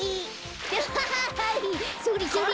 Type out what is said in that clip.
アハハそれそれ！